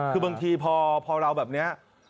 คือบางทีพอเราแบบนี้